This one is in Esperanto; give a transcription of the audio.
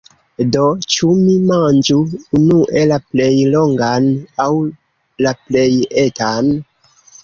Do, ĉu mi manĝu unue la plej longan, aŭ la plej etan?